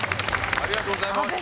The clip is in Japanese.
ありがとうございます。